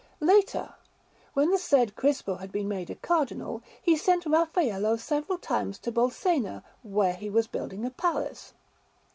Later, when the said Crispo had been made a Cardinal, he sent Raffaello several times to Bolsena, where he was building a palace.